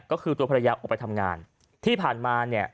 ก็คือตัวภรรยาออกไปทำงานที่ผ่านมาเนี่ย